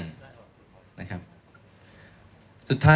สุดท้ายก็สามารถรับรู้ได้นะครับ